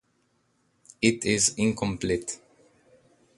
It is incomplete.